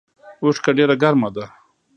اوښکه ډیره ګرمه ده